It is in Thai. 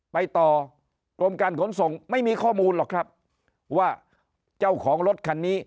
ไปต่อกรมการขนส่งไม่มีข้อมูลหรอกครับว่าเจ้าของรถคันนี้